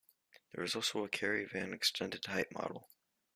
There was also a Kary Van extended height model.